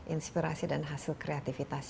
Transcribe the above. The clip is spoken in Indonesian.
inspirasi dan hasil kreativitas